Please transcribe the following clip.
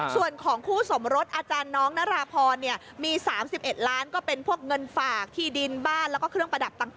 ส่วนของคู่สมรสอาจารย์น้องนาราพรมี๓๑ล้านก็เป็นพวกเงินฝากที่ดินบ้านแล้วก็เครื่องประดับต่าง